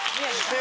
え！